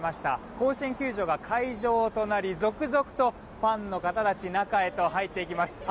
甲子園球場が開場となり続々とファンの方たち中へと入っていきます。